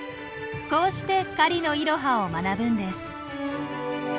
こうして狩りのイロハを学ぶんです。